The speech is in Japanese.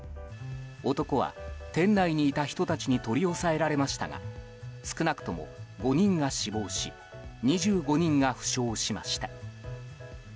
男は店内にいた人たちに取り押さえられましたが少なくとも５人が死亡し２５人が負傷しました。